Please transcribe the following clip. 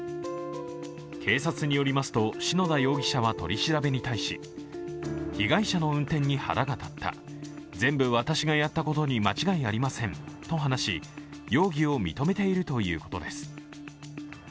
警察によりますと、篠田容疑者は取り調べに対し被害者の運転に腹が立った、全部、私がやったことに間違いありませんと話し容疑を認めているということです。